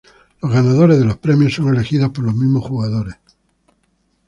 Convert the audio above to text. Los ganadores de los premios son elegidos por los mismos jugadores.